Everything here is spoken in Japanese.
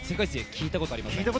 聞いたことありません。